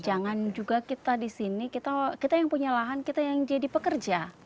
jangan juga kita di sini kita yang punya lahan kita yang jadi pekerja